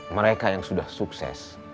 mereka yang sudah sukses